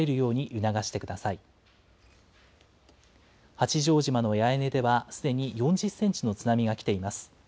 八丈島の八重根では、すでに４０センチの津波が来ています。